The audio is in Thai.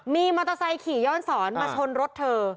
มีมอเตอร์ไซค์ขี่ย้อนสอนมาชนรถเธอ